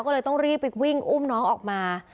ก็เลยต้องรีบไปวิ่งอุ้มน้องออกมา